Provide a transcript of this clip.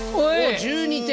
１２点！